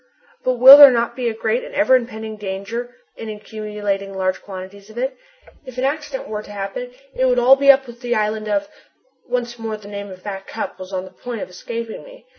"But will there not be a great and ever impending danger in accumulating large quantities of it? If an accident were to happen it would be all up with the island of !" Once more the name of Back Cup was on the point of escaping me.